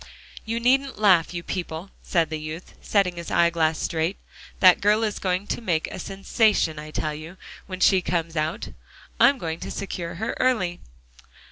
"You needn't laugh, you people," said the youth, setting his eyeglass straight, "that girl is going to make a sensation, I tell you, when she comes out. I'm going to secure her early."